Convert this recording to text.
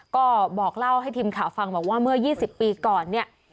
ก็บอกเล่าให้ทีมข่าวฟังบอกว่าเมื่อ๒๐ปีก่อนเนี่ย